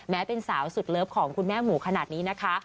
เป็นสาวสุดเลิฟของคุณแม่หมูขนาดนี้นะคะ